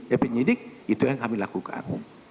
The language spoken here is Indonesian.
ya penyidik itu yang kami lakukan